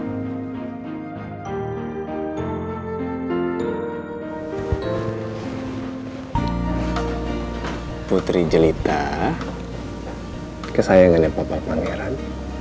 tapi putri jelita kesayangannya papa pangeran